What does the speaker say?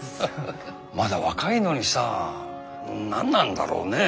まだ若いのにさ何なんだろうねえ